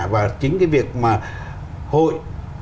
và chính cái việc mà hội